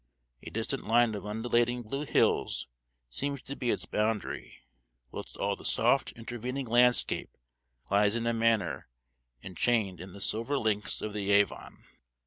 A distant line of undulating blue hills seems to be its boundary, whilst all the soft intervening landscape lies in a manner enchained in the silver links of the Avon.